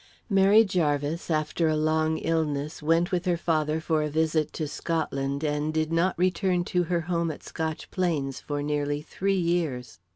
Mary Jarvis, after a long illness, went with her father for a visit to Scotland, and did not return to her home at Scotch Plains for nearly three years.